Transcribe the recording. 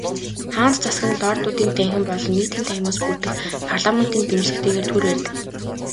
Хаант засаг нь Лордуудын танхим болон Нийтийн танхимаас бүрдэх парламентын дэмжлэгтэйгээр төр барьдаг.